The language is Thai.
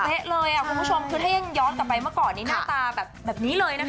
พวกผู้ชมถ้ายังยอดกลับไปมาก่อนหน้าตาแบบนี้เลยนะคะ